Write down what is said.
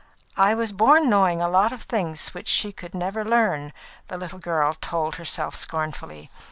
"I was born knowing a lot of things which she could never learn," the little girl told herself scornfully.